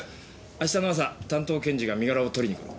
明日の朝担当検事が身柄を取りに来る。